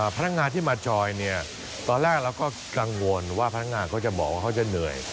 พนักงานที่มาจอยเนี่ยตอนแรกเราก็กังวลว่าพนักงานเขาจะบอกว่าเขาจะเหนื่อย